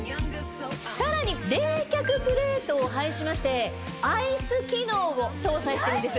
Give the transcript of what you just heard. さらに冷却プレートを配しまして。を搭載してるんです。